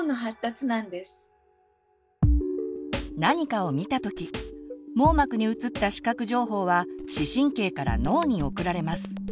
何かを見た時網膜にうつった視覚情報は視神経から脳に送られます。